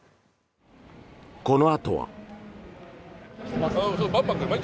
このあとは。